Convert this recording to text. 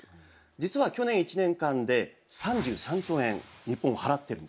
実は去年１年間で３３兆円日本払ってるんですね。